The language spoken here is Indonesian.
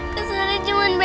saya cuma ingin berubah